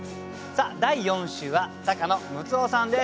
第４週は高野ムツオさんです。